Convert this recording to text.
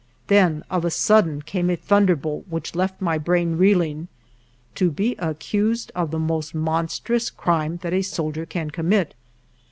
Then of a sudden came a thunderbolt which left my brain reeling. To be accused of the most monstrous crime that a soldier can commit